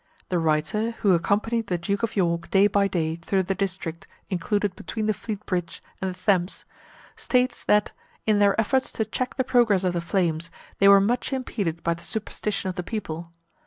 The writer, who accompanied the Duke of York day by day through the district included between the Fleet bridge and the Thames, states that, in their efforts to check the progress of the flames, they were much impeded by the superstition of the people.